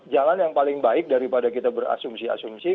jalan yang paling baik daripada kita berasumsi asumsi